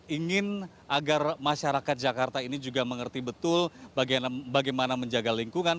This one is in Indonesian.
ingin agar masyarakat jakarta ini juga mengerti betul bagaimana menjaga lingkungan